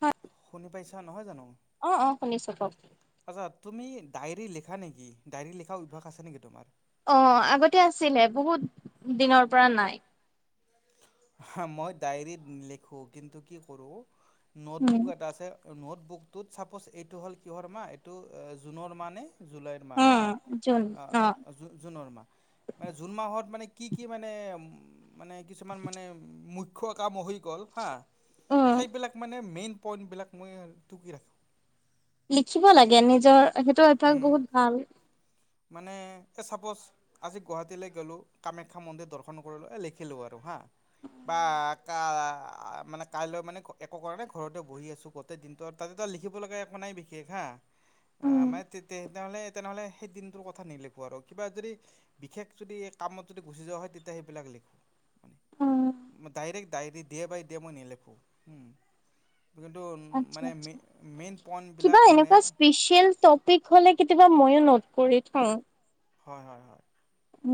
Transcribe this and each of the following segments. হয়। শুনি পাইছা নহয় জানো শুনিছোঁ [unintelligible] আচ্ছা তুমি ডায়েৰী লিখা নেকি ডায়েৰী লিখা অভ্যাস আছে নেকি তোমাৰ অ আগতে আছিলে বহুত দিনৰ পৰা নাই হ মই ডায়েৰীত লিখো কিন্তু কি কৰো উম নোটবুক এটা আছে নোটবুকটোত চাপ'জ এইটো হ'ল কিহৰ মা এইটো জুনৰ মানে জুলাইৰ মাহ উম। হা যোন অ জু জুনৰ মাহ মানে জুন মাহত মানে কি কি মানে উ মানে মানে মুখ্য কাম হৈ গল হা উম সেইবিলাক মানে মেইন পইন্টবিলাক মই টুকি ৰাখোঁ লিখিব লাগে নিজৰ সেইটো এটা ৰাখোঁ। বহুত ভাল মানে এই চাপ'জ আজি গুৱাহাটীলৈ গ'লোঁ কামাখ্যা মন্দিৰ দৰ্শন কৰিলোঁ এই লিখিলোঁ আৰু হাঁ বা কা মানে কাইলৈ মানে একো কাৰণে ঘৰতে বহি আছোঁ গোটেই দিনটো তাতে তটা লিখিব লগা একো নাই বিশেষ হা উম মানে তে তেনেহ'লে তেনেহ'লে সেই দিনটোৰ কথা নিলেখোঁ আৰু কিবা যদি বিশেষ যদি কামত যদি গুচি যোৱা হয় তেতিয়া সেইবিলাক লিখোঁ, উম ম ডাইৰেক্ট ডাই ডে বাই ডে মই নিলেখো। কিন্তু আচ্ছা মানে আচ্ছা। মে-মেইন কিবা পইণ্টবিলাক মানে এনেকুৱা স্পেচিয়েল টপিক হলে কেতিয়াবা মইো নট কৰি থওঁ। হয় হয় হয়। উ,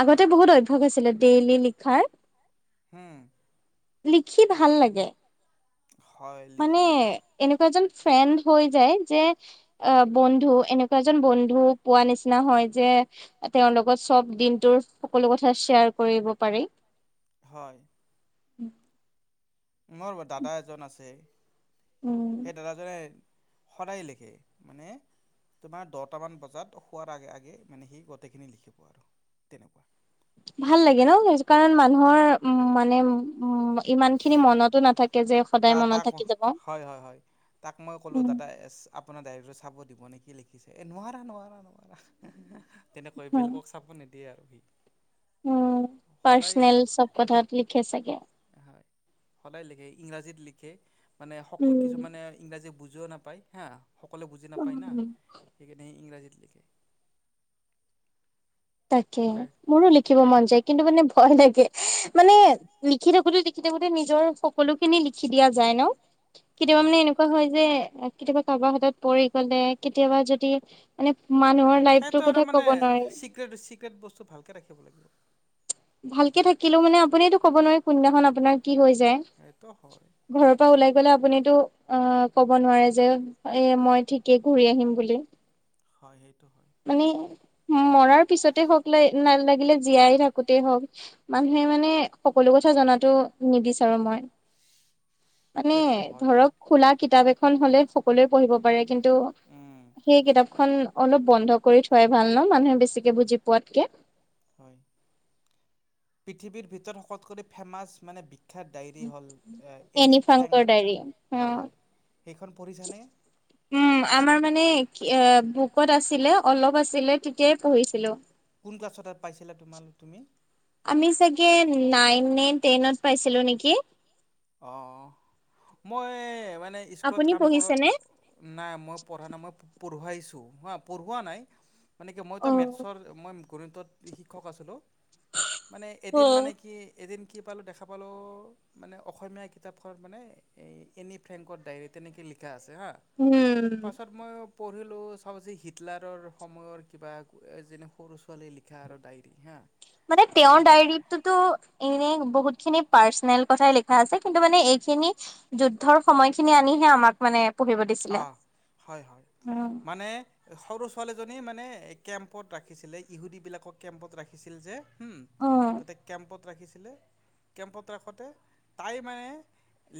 আগতে বহুত অভ্যাস আছিলে ডেইলি লিখাৰ। উম। লিখি ভাল লাগে। হয় মানে লিখিব এনেকুৱা এজন ফ্ৰেণ্ড হৈ যায় যে অ'- বন্ধু, এনেকুৱা এজন বন্ধু পোৱা নিচিনা হয় যে, তেওঁৰ লগত চব দিনটোৰ সকলো কথা শ্বেয়াৰ কৰিব পাৰি। হয়। উম। মোৰ দাদা এজন আছে। উম সেই দাদাজনে সদায় লিখে। মানে তোমাৰ দহটামান বজাত শুৱাৰ আগে-আগে মানে সি গোটেইখিনি লিখিব আৰু, তেনেকুৱা। ভাল লাগে ন' সেইজো কাৰণ মানুহৰ মানে উম ইমানখিনি মনতো নাথাকে যে, তা সদায় মনত তাক থাকি যাব। হয় হয় হয় তাক মই ক'লোঁ উম। দাদা আপোনাৰ ডায়েৰীটো চাব দিব নে? কি লিখিছে? এ নোৱাৰা - নোৱাৰা - নোৱাৰা। তেনেকৈ, বেলেগক চাব নে দিয়ে আৰু সি। উম, সদায় পাৰ্চনেল চব কথাত লিখে চাগে। হয়। সদায় লিখে, ইংৰাজীত লিখে। মানে শকত কিছুমানে ইংৰাজী বুজ য নাপায় হা। সকলোৱে বুজি নাপায় না উম সেইকাৰণে ইংৰাজীত লিখে তাকে ডাই মোৰো লিখিব মন যায় কিন্তু মানে হয় থাকে মানে লিখি থাকোতে লিখি থাকোতে নিজৰ সকলো খিনি লিখি দিয়া যায় ন'। কেতিয়াবা হয় মানে এনেকুৱা হয় যে কেতিয়াবা কাৰবাৰ হাতত পৰি গ'লে কেতিয়াবা যদি মানে মানুহৰ লাইফটোৰ কথা ক'ব নোৱাৰি। পেট বস্তু ভালকৈ ৰাখিব লাগিব। ভালকে থাকিলেও মানে আপুনি ক'ব নোৱাৰি কোনদিনাখন আপোনাৰ কি হৈ যায় সেইটো হয় ঘৰৰ পৰা ওলাই গলে আপুনিতো অ ক'ব নোৱাৰে যে এ মই ঠিকে ঘুৰি আহিম বুলি। হয় সেইটো। হয় মানে মৰাৰ। পিছতে হওক ল লাগিলে জীয়াই থাকোতেই হওক মানুহে মানে। সকলো কথা জনাত নিবিচাৰো মই মানে সেইটো হয় বাৰু ধৰক খোলা কিতাপ এখন হলে সকলোৱে পঢ়িব পাৰে কিন্তু উম সেই কিতাপখন অলপ। বন্ধ কৰি থোৱাই ভাল ন মানুহে বেছিকে বুজি পোৱাতকে। হয় পৃথিৱীৰ ভিতৰত শকলোতকৈ ফেমাচ মানে। বিখ্যাত ডায়েৰী হ'ল এনি ফ্ৰাংকৰ ডায়েৰী হয় অ' হয় সেইখন পঢ়িছানে উম আমাৰ মানে কি বুকত আছিলে অলপ আছিলে তেতিয়াই পঢ়িছিলো। কোন ক্লাছত পাইছিলা তোমাৰ আমি চাগে নাইন নন টেইনত পাইছিলো নেকি। অ' মই স্কুলত আপুনি কাম কৰ পঢ়িছেনে নাই মই পঢ়া নাই মই পঢ়। পঢ়োৱা নাই। মানে কি মইতো মেথছৰ অ মই গুৰুতত শিক্ষক আছিলোঁ। মানে এদিন মানে কি। এদিন কি পালোঁ দেখা পালোঁ মানে। অসমীয়া কিতাপখন মানে এই এনি ফ্ৰেংকৰ ডায়েৰী তেনেকৈ লিখা আছে। হা উম পাছত মই। পঢ়িলোঁ চব যেি হিটলাৰৰ সময়ৰ কিবা যেনে সৰু ছোৱালীয়ে লিখা আৰু ডায়েৰী হা। মানে তেঁওৰ ডায়েৰীত টোটো বহুত খিনি পাৰ্চনেল কথাই লিখা আছে কিন্তু মানে এইখিনি যুদ্ধৰ সময়খিনি আনিহে আমাক মানে। পঢ়িব দিছিলে। অ' হয় হয় উম, মানে সৰ ছোৱালীজনী মানে কেম্পত ৰাখিছিলে ইহুদিবিলাকক কেম্পত ৰাখিছিল যে। উম উম, তাতে কেম্পত। ৰাখিছিলে কেম্পত ৰাখোতে তাই মানে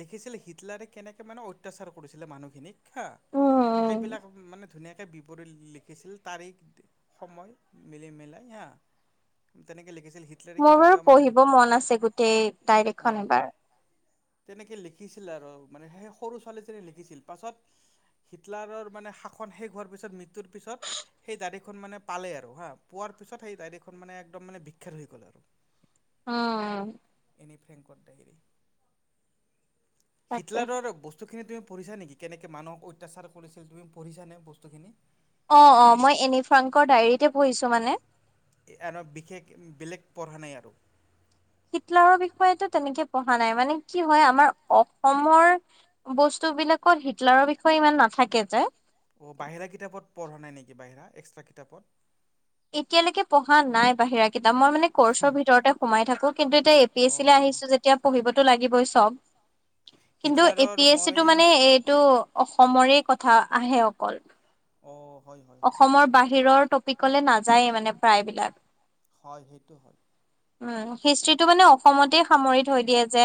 লিখিছিলে হটলাৰে কেনেকৈ মানে অত্যাচাৰ কৰিছিলে মানুহখিনিক। হা উম, সেইবিলাক মানে ধুনাকে বিৱৰী লিখিছিল তাৰিখ সময় মিলি মেলাই হা তেনেকে লিখি মোৰ বাৰু পঢ়িব মন আছে গোটেই ডায়েৰী খন অ', এবাৰ তেনেকে লিখিছিল আৰু মানে সেই সৰু ছোৱালীজনী লিখিছিল পাছত। হিটলাৰৰ মানে শাসন শেষ হোৱাৰ পিছত মৃত্যুৰ পিছত সেই দাড়ীখন মানে পালে আৰু হা পোৱাৰ পিছত সেই দাড়ীখন মানে একদম মানে বিখ্যাত হৈ গ'ল আৰু। অ' [inaudible] তাকে হিটলাৰৰ বস্তুখিনি তুমি। পঢ়িছা নেকি কেনে? মানুহক অত্যাচাৰ কৰিছিল তুমি পঢ়ছানে বস্তুখিনি। অ -অ মই এনিফ্ৰাংকৰ ডায়ৰীতে পঢ়িছো মানে এ বিশেষ বেলেগ পঢ়া নাই আৰু। হিতলাৰৰ বিষয় তো তেনেকে পঢ়া নাই মানে, কি হয় আমাৰ অসমৰ বস্তু বিলাকত হিতলাৰৰ বিষয়ে ইমান নাথাকে যে। অ', বাহিৰা কিতাপত পঢ়া নাই নেকি, বাহিৰা? এক্সট্ৰা কিতাপত? এতিয়ালেকে পঢ়া নাই বাহিৰা কিতাপ। মই মানে কৰ্চৰ ভিততে সোমাই থাকো, কিন্তু এতিয়া এ পি এছ আহিছো যেতিয়া পঢ়িবতো লাগিবই সব। কিন্তু এ পি হিটলাৰৰ এছ চিটো মই মানে এইটো অ সমৰে কথা আহে অকল। অ' হয় হয় অসমৰ বাহিৰৰ টপিক ক'লে নাযায়েই মানে প্ৰায়বিলাক। হয় হয় সেইটো হয় উম, হিষ্ট্ৰিত টো মানে অসমতেই সামৰি থৈ দিয়ে যে।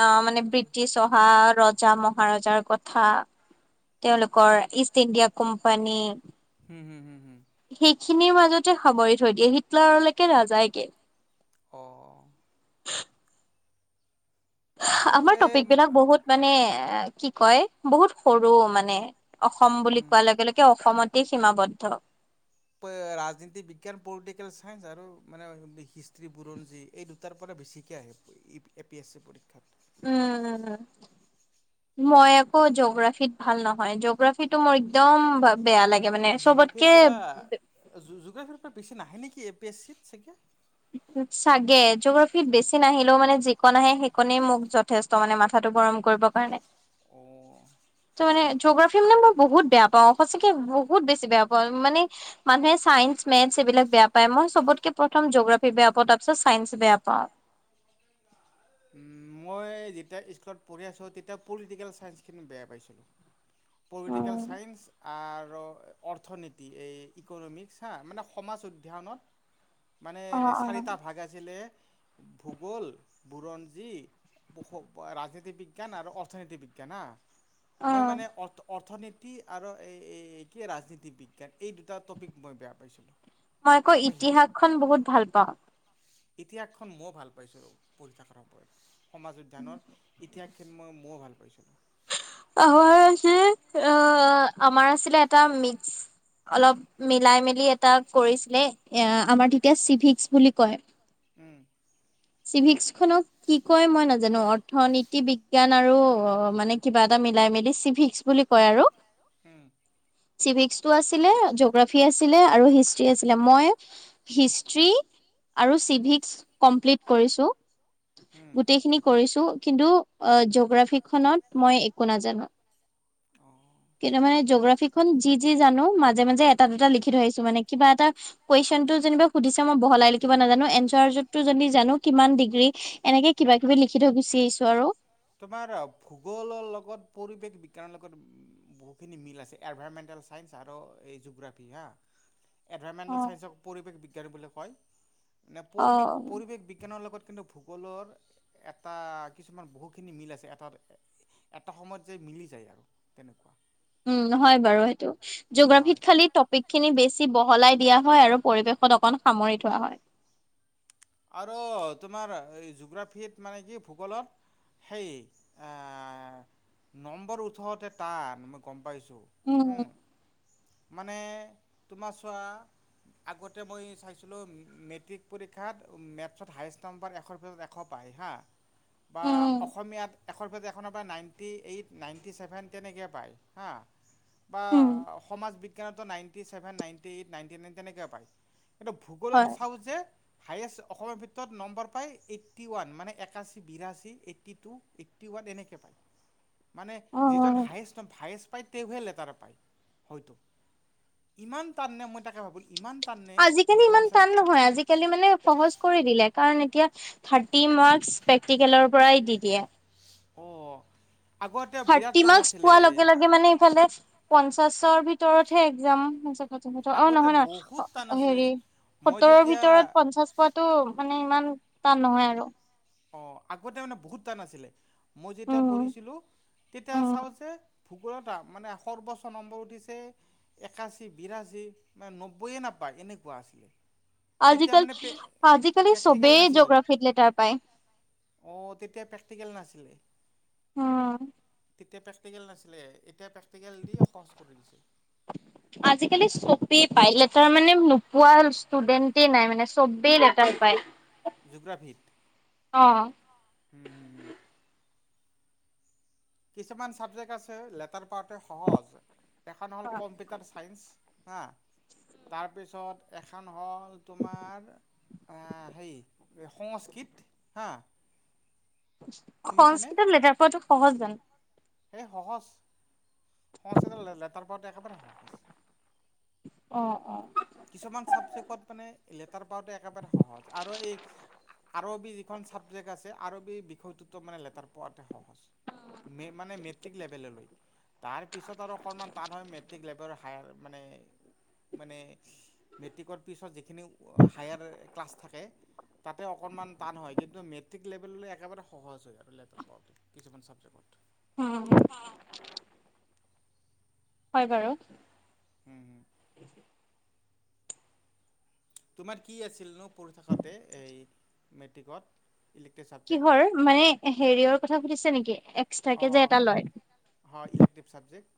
আ মানে ব্ৰিটিছ অহা, ৰজা মহাৰজাৰ কথা। তেওঁলোকৰ ইষ্ট ইণ্ডিয়া কোম্পানী হম, হম, হম, হম। সেইখিনিৰ মাজতে সামৰি থৈ দিয়ে, হিটলাৰলৈকে নাযায়গে। অ'। আমাৰ এই টপিক বিলাক বহুত মানে এ কি কয়, বহুত সৰু মানে। অসম বুলি উম। কোৱাৰ লগে লগে অসমত তেই সীমাবদ্ধ। ৰাজনীতি বিজ্ঞান, পলিটিকেল ছায়েন্ঞ্চ আৰু মানে হিষ্ট্ৰী-বুৰঞ্জী, এই দুটাৰ পৰা বেছিকৈ আহে এ পি এছ চি পৰীক্ষাত। উম, মই আকৌ জিঅ'গ্ৰাফীত ভাল নহয়। জিঅ'গ্ৰাফিটো মোৰ একদম বেয়া লাগে মানে জোগ্ৰাফিৰ চবতকে পৰা, জো-জোগ্ৰাফিৰ পৰা কুৱেষ্টন আহে নেকি, এ পি এচ চিত চাগে চাগে, জিগ্ৰাফিত বেছি নাহিলেওঁ মানে কন আহে, সেইকনেই মোক যথেষ্ট মানে মাথাটো গৰম কৰিবৰ কাৰণে। অঁ ত মানে জগ্ৰাফি মানে মই বহুত বেয়া পাওঁ, সঁচাকে বহুত বেছি বেয়া পাওঁ। মানে মানুহে চাইন্স, মেথছ এইবিলাক বেয়া পায় মই চবতকে প্ৰথম জগাফ বেয়া পাওঁ তাৰ পিছত চাইন্স বেয়া পাওঁ। মই যেতিয়া স্কুলত পঢ়ি আছোঁ, তেতিয়া পলিটিকেল চাইন্সখিনি বেয়া পাইছিলোঁ। পলিটিকেল উম চাইন্স আৰু অৰ্থনীতি, এই ইকনমিক্স হা মানে সমাজ অধ্যয়নত মানে অ অ চাৰিটা ভাগ আছিলে ভূগোল বুৰঞ্জী, ৰাজনীতি বিজ্ঞান আৰু অৰ্থনীতি বিজ্ঞান হা অ মই মানে অ-অৰ্থনীতি কি আৰু এই কি ৰাজনীতি বিজ্ঞান এই দুটা টপিক মই বেয়া পাইছিলোঁ মই আকৌ ইতিহাসখন বহুত ভাল পাওঁ ইতিহাসখন মই ভাল পাইছো পঢ়ি থাকাৰ ওপৰত সমাজ উদ্যানৰ ইতিহাস হুন ম মও ভাল পাইছিলোঁ অ হকি আ আমাৰ আছিলে এটা মিস্ক অলপ মিলাই মেলি এটা কৰিছিলে আমাৰ তেতিয়া চিভিক্স বুলি কয় উম চিভিক্স খনক কি কয় মই নাজানো অৰ্থনীতি বিজ্ঞান আৰু অ মানে কিবা এটা মিলাই মেলি চিভিক্স বুলি কয় আৰু হুম চিভিস্কটো আছিলে জগ্ৰাফি আছিলে আৰু হিষ্ট্ৰি আছিলে মই হিষ্টি আৰু চিভিস্ক কমপ্লিট কৰিছো উম, গোটেইখিনি কৰিছো কিন্তু আ জগ্ৰাফিখন মই একো নাজানো অঁ কিন্তু মানে জগ্ৰাফিখন যি যি জানো মাজে মাজে এটা দুটা লিখি থৈ আহিছো মানে কিবা এটা কুৱেশন টো যেনিবা সুধিছে মই বহলাই লিখিব নাজানো এনচাৰ যতি যদি জানো কিমান ডিগ্ৰী এনেকে কিবা কিবি লিখি থৈ গুছি আহিছো আৰু ভূগলৰ লগত পৰিৱেশ বিজ্ঞানৰ লগত বহুখিনি মিল আছে এভাইমেণ্টেল ছাইন্স আৰ এই জগ্ৰাফী অ এভাইমেণ্টেল ছাইন্সক পৰিৱেশ বিজ্ঞান বুলি কয় ন অ পৰিবেক পৰিৱেশ বিজ্ঞানৰ লগত কিন্তু ভূগোলৰ এটা কিছুমান বহুতখিনি মিল আছে এটা এটা সময়ত যে মিলি যায় আৰু তেনেকুৱা উম নহয় বাৰু সেইটো হয় জিগ্ৰাফিত খালি টপিক খিনি বেছি বহলাই দিয়া হয় আৰু পৰিৱেশত অকণ সামৰি থোৱা হয় আৰ তোমাৰ জুগ্ৰাফিত মানে কি ভূগোলত সেই আ নম্বৰ উঠাওতে টান মই গম পাইছো ত উম উম মানে তোমাৰ চোৱা আগতে মই চাইছিলোঁ মেট্ৰিক পৰীক্ষাত মেথছত হায়েষ্ট নম্বৰ এশৰ ভিতৰত এশ পায় হা বা উম অসমীয়াত এশৰ ভিত এশ ন পায় নাইণ্টি এইট নাইণ্টি ছেভেন তেনেকে পায় হা বা উম সমাজ বিগ বিজ্ঞান টো ninety seven ninety eight ninety এ তেনেকে পাই এতি ভূগোলৰ হয় চাও যে হায়েষ্ট অসমৰ ভিতৰত নম্বৰ পায় এইট্ৰি ওৱান মানে একাছী বিৰাছী এইট্ৰি টু এইট্ৰি ওৱান এনেকে পায় মানে অ অ যিজন হায়েষ্ট ত ভায়েষ্ট পাই তেওঁহে লেটাৰ পাই হয়টো ইমান টান নে মই তাকে ভাবিল ইমান টাননে আজিকালি এইখন ইমান চাৰ টান নহয় আজিকালি মানে সহজ কৰি দিলে কাৰণ এতিয়া থ্ৰাটি মাৰ্কছ্ প্ৰেক্টিকেলৰ পৰাই দি দিয়ে অ থাৰ্টি মাৰ্কছ পোৱাৰ লগে লগে মানে ইফালে পঞ্চাশৰ ভিতৰতহে এক্জাম অ আগতে নহয় বহুত টান নহয় আছিলে হেৰি মই সত্তৰৰ যেতিয়া ভিতৰত পঞ্চাশ পোৱাতো মানে ইমান টান নহয় আৰু অ আগতে মানে বহুত টান আছিলে মই যেতিয়া উম পঢ়িছিলোঁ তেতিয়া উম চাওঁ যে ভূগোলত মানে সৰ্বোচ্চ নম্বৰ উঠিছে একাশী বিৰাশী মানে নব্বৈয়ে নব্বা এনেকুৱা আছিলে। তেতিয়া আজিকাল মানে পে আজিকালি চবেই জি'গ্ৰাফি লেটাৰ পাই। অ' তেতিয়া পেক টিকেল নাছিলে। অ'। তেতিয়া প্ৰেক্টিকেল নাছিলে। এতিয়া প্ৰে আজিকালি চবে পায় লে টাৰ মানে নোপোৱা ষ্টুডেণ্টেই নাই মানে, চবেই লেটাৰ পায়। জোগ্ৰাফিট অ'। উম - হুম - হুম। কিছুমান ছাবজেক্ট আছে, লেটাৰ পাওঁতে সহজ। এখন হ'ল কম্পিউটাৰ ছায়েন্স। হা? তাৰপিছত এখান হ'ল তোমাৰ আ- সেই সংস্কৃত, হা? শুনিছানে সংস্কৃতত লেটাৰ পোৱাটো সহজ জানো? হে সহজ। সংস্কৃতত ল- লেটাৰ পোৱাটো একেবাৰে সহজ। অ' - অ'। কিছুমান ছাবজেকত মানে লেটাৰ পাওঁটো একেবাৰে সহজ আৰু এই আৰবী যিখন ছাবজেক আছে, আৰবী বিষয়টোতো মানে লেটাৰ পোৱাতে সহ হজ। মে- মানে মেট্ৰিক লেভেললৈ। তাৰ পিছত আৰু অকণমান টান হয়। মেট্ৰিক লেভেৰ হায়াৰ মানে - মানে মেট্ৰিকৰ পিছত যিখিনি হায়াৰ ক্লাছ থাকে, তাতে অকণমান টান হয়। কিন্তু মেট্ৰিক লেভেললৈ একেবাৰে সহজ হয় আৰু লেটাৰ পাওঁতে কিছুমান ছাবজেক্টত। অ'। হয় বাৰু। [inaudible] তোমাৰ কি আছিলনো পঢ়ি থকাতে এই মেট্ৰিকত? Elective subject? কিহৰ মানে হেৰিৰ কথা সুধিছে নেকি অ', এক্সট্ৰাকে যে অ', এটা লয় হয় ইলেক্টিভ ছাবজেক্ট।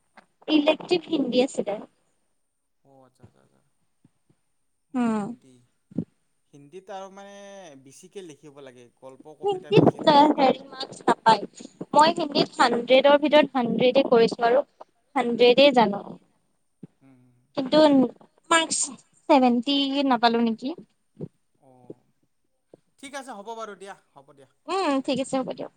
ইলেক্ট্ৰভ হিন্দী আছিল। [inaudible] অ' আচ্ছা, আচ্ছা, আচ্ছা। অ' হিন্দী। হিন্দীত আৰু মানে বেছিকে লিখিব লাগে। গল্প কবিতা বেছি হিন্দীত থাকে। হেৰি মাক্স নাপায়, মই হিন্দীত হাণ্ড্ৰেডৰ ভিতৰত হাড্ৰেডে কৰিছোঁ আৰু হাণ্ড্ৰেডে জানো। উম, কিন্তু মাক্স ছেভেন্টি নাপালো নেকি? অ ঠিক আছে হ'ব বাৰু দিয়া হ'ব দিয়া। উম ঠিক আছে হ'ব দিয়ক